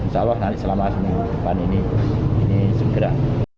insya allah nanti selama seminggu depan ini ini segera